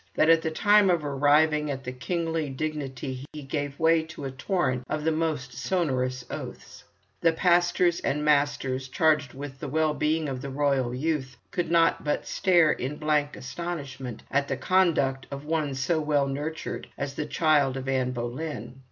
that at the time of arriving at the kingly dignity he gave way to a torrent of the most sonorous oaths. The pastors and masters charged with the well being of the royal youth could not but stare in blank astonishment at the conduct of one so well nurtured as the child of Anne Boleyn.